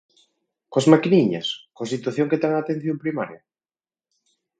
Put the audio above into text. ¿Coas maquiniñas, coa situación que ten a atención primaria?